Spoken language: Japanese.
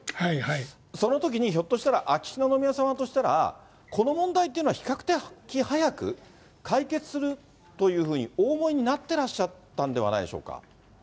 そのときにひょっとしたら、秋篠宮さまとしたら、この問題っていうのは、比較的早く解決するというふうにお思いになってらっしゃったんではないでしょうか。